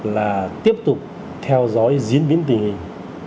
là tiếp tục theo dõi diễn biến tình hình